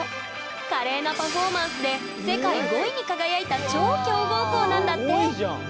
華麗なパフォーマンスで世界５位に輝いた超強豪校なんだって！